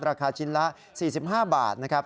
ราคาชิ้นละ๔๕บาทนะครับ